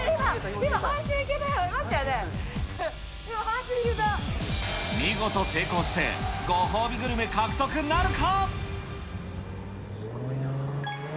今、半周いけたよ、見事成功して、ご褒美グルメ獲得なるか。